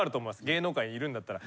芸能界にいるんだったら。